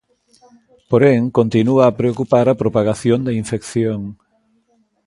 Porén, continúa a preocupar a propagación da infección.